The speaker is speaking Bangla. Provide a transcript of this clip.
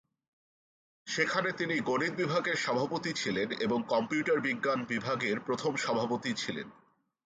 সেখানে তিনি গণিত বিভাগের সভাপতি ছিলেন এবং কম্পিউটার বিজ্ঞান বিভাগের প্রথম সভাপতি ছিলেন।